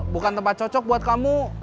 bukan tempat cocok buat kamu